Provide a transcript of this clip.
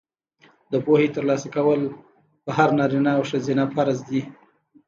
د پوهې ترلاسه کول په هر نارینه او ښځینه فرض دي.